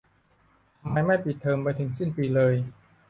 ทำไมไม่ปิดเทอมไปถึงสิ้นปีเลย